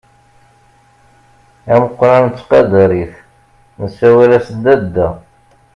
Ameqqran nettqadar-it, nessawal-as Dadda.